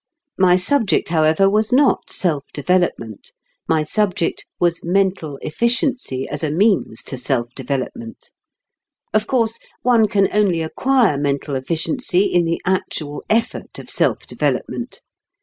My subject, however, was not self development My subject was mental efficiency as a means to self development. Of course, one can only acquire mental efficiency in the actual effort of self development.